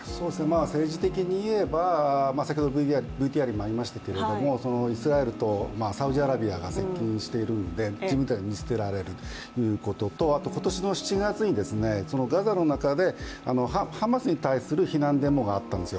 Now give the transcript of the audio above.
政治的に言えば、イスラエルとサウジアラビアが接近しているので自分たちが見捨てられるということと今年の７月に、ガザの中で、ハマスに対する非難デモがあったんです。